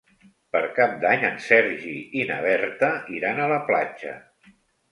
Per Cap d'Any en Sergi i na Berta iran a la platja.